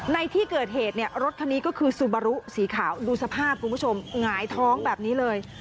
ในที่เกิดเหตุเนี่ยรถคันนี้ก็คือซูบารุสีขาวดูสภาพคุณผู้ชมหงายท้องแบบนี้เลย